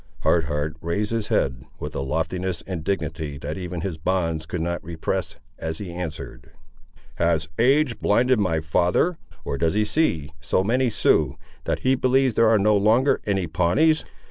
Hard Heart raised his head, with a loftiness and dignity that even his bonds could not repress, as he answered— "Has age blinded my father; or does he see so many Siouxes, that he believes there are no longer any Pawnees?"